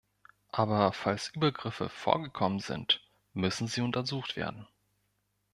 Aber falls Übergriffe vorgekommen sind, müssen sie untersucht werden.